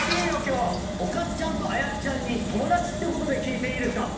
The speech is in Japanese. おかっちゃんとあやっちゃんに友達ってことで聞いていいですか？